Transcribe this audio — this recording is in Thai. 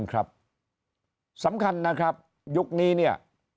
ครับสำคัญนะครับยุคนี้เนี่ย